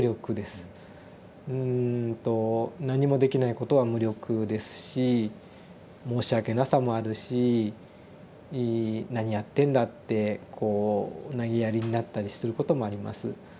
うんと何もできないことは無力ですし申し訳なさもあるし「何やってんだ」ってこうなげやりになったりすることもあります。